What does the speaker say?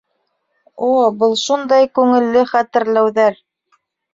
О, был шундай күңелле хәтерләүҙәр